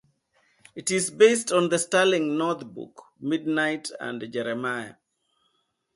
It is based on the Sterling North book "Midnight and Jeremiah".